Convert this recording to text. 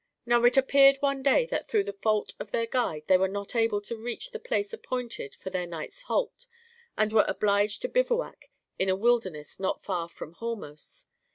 Now, it happened one day that through the fault of their guide they were not able to reach the place appointed for their night's halt, and were obliged to bivouac in a wilderness not far from Hormos.